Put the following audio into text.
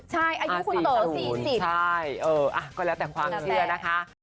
ใช่ก็แล้วแต่ความเชื่อนะคะ